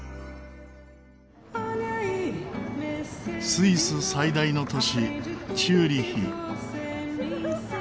スイス最大の都市チューリヒ。